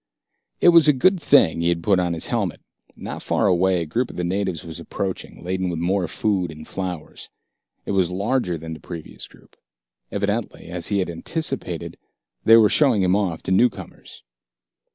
It was a good thing he had put on his helmet. Not far away, a group of the natives was approaching, laden with more food and flowers. It was larger than the previous group. Evidently, as he had anticipated, they were showing him off to newcomers.